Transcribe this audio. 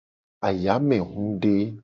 Ayamehude.